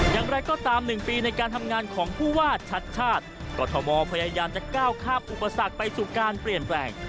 อย่างไรก็ตาม๑ปีในการทำงานของผู้ว่าชัดชาติกรทมพยายามจะก้าวข้ามอุปสรรคไปสู่การเปลี่ยนแปลง